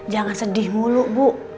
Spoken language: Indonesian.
jangan sedih mulu bu